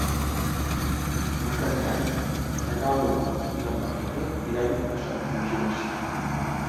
Per Cap d'Any na Gal·la i na Marta iran a Sant Fulgenci.